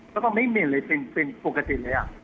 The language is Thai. ก็ต้องไม่มินเลยปินปกติเลย